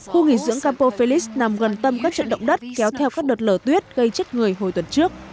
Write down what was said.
khu nghỉ dưỡng capophelis nằm gần tâm các trận động đất kéo theo các đợt lở tuyết gây chết người hồi tuần trước